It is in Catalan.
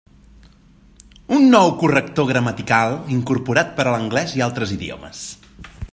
Un nou corrector gramatical incorporat per a l'anglès i altres idiomes.